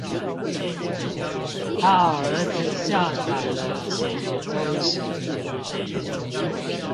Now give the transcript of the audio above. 怕兒子下載了什麼東西